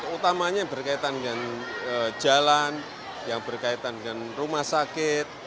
utamanya berkaitan dengan jalan yang berkaitan dengan rumah sakit